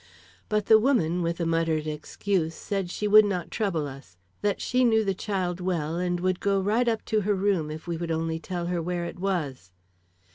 But the woman, with a muttered excuse, said she would not trouble us; that she knew the child well, and would go right up to her room if we would only tell her where it was.